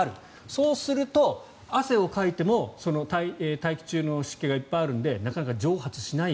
そうすると汗をかいても大気中の湿気がいっぱいあるのでなかなか蒸発しない。